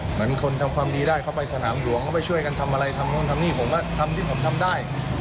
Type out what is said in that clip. เหมือนคนทำความดีได้เข้าไปสนามหลวงเขาไปช่วยกันทำอะไรทำนู่นทำนี่ผมก็ทำที่ผมทำได้